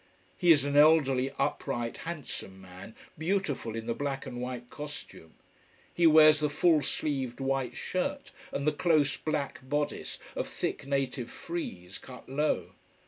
He is an elderly, upright, handsome man, beautiful in the black and white costume. He wears the full sleeved white shirt and the close black bodice of thick, native frieze, cut low.